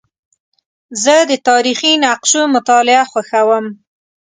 زه د تاریخي نقشو مطالعه خوښوم.